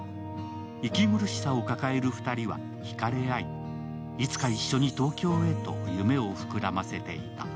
息苦しさを抱える２人はひかれ合い、いつか一緒に東京へと夢を膨らませていた。